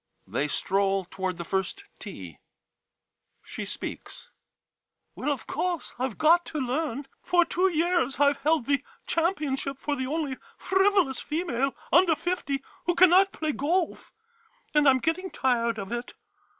» They stroll toward the first tee She speaks Well, of course I Ve got to learn. For two years I Ve held the championship for the only frivolous female under fifty who cannot play golf — and I 'm getting tired of it.